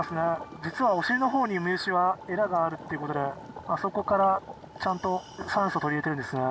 実はお尻のほうにウミウシは鰓があるっていうことであそこからちゃんと酸素取り入れてるんですね。